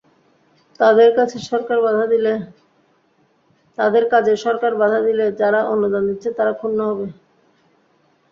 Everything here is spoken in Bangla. তাদের কাজে সরকার বাধা দিলে যারা অনুদান দিচ্ছে, তারা ক্ষুণ্ন হবে।